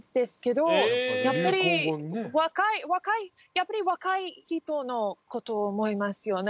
やっぱり若い人の事思いますよね。